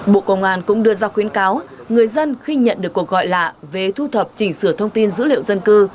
bộ công an cũng đưa ra khuyến cáo người dân khi nhận được cuộc gọi lạ về thu thập chỉnh sửa thông tin dữ liệu dân cư